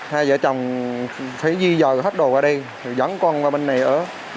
hai vợ chồng phải di dời hết đồ qua đây dẫn con qua bên này ở